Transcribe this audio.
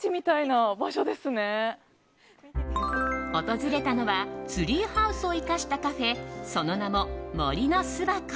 訪れたのはツリーハウスを生かしたカフェその名も森の巣箱。